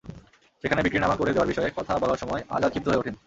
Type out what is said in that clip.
সেখানে বিক্রিনামা করে দেওয়ার বিষয়ে কথা বলার সময় আজাদ ক্ষিপ্ত হয়ে ওঠেন।